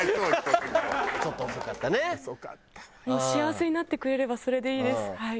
幸せになってくれればそれでいいです。